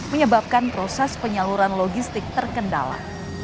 menyebabkan proses penyaluran logistik terkendala